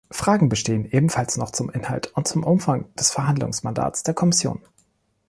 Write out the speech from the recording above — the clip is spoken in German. Fragen bestehen ebenfalls noch zum Inhalt und zum Umfang des Verhandlungsmandats der Kommission.